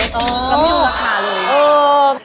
เราไม่รู้ราคาเลย